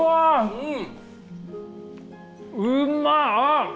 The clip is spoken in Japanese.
うん。